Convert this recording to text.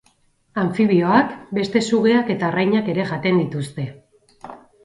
Anfibioak, beste sugeak eta arrainak ere jaten dituzte.